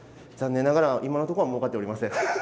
残念ながら今のとこはもうかっておりません。